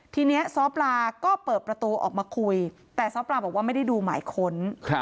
ทีนี้ซ้อปลาก็เปิดประตูออกมาคุยแต่ซ้อปลาบอกว่าไม่ได้ดูหมายค้น